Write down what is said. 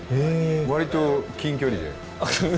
わりと近距離で。